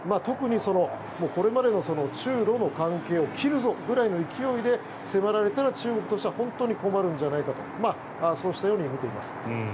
特にこれまでの中ロの関係を切るぞぐらいの勢いで迫られたら中国としては本当に困るんじゃないかとそうしたように見ています。